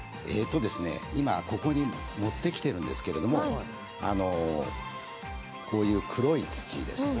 ここに持ってきているんですがこういう、黒い土です。